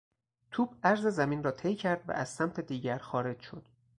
توپ عرض زمین رو طی کرد و از سمت دیگر خارج شد